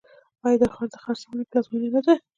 آیا دا ښار د خرسونو پلازمینه نه ده؟